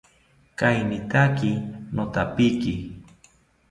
Kainitaki nothapiki